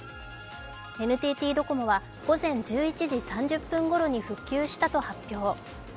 ＮＴＴドコモは午前１１時３０分ごろに復旧したと発表。